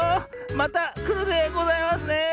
またくるでございますね。